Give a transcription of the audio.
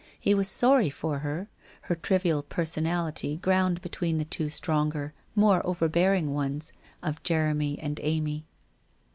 He was sorry for her, her trivial personality ground between the two stronger, more overbearing ones of Jeremy and Amy.